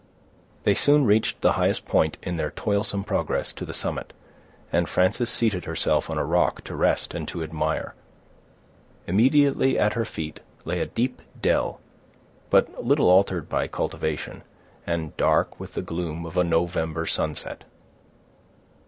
They soon reached the highest point in their toilsome progress to the summit, and Frances seated herself on a rock to rest and to admire. Immediately at her feet lay a deep dell, but little altered by cultivation, and dark with the gloom of a November sunset.